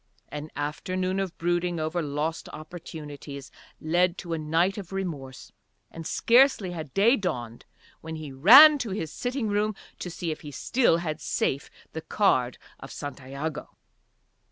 An afternoon of brooding over lost opportunities led to a night of remorse, and scarcely had day dawned when he ran to his sitting room to see if he still had safe the card of Santiago.